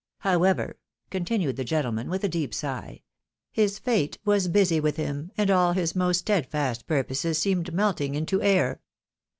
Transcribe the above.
However," continued the gentleman, with a deep sigh, " his fate was busy with him, and all his most steadfast purposes seemed melting into air.